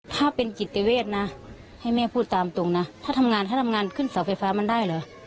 ถ้าเป็นจิตเวทนะให้แม่พูดตามตรงนะถ้าทำงานให้ทำงานขึ้นเสาไฟฟ้ามันได้เหรอ